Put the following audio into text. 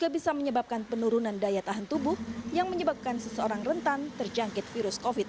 dan juga menyebabkan penurunan daya tahan tubuh yang menyebabkan seseorang rentan terjangkit virus covid sembilan belas